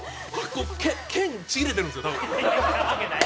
けん、ちぎれてるんですよ多分。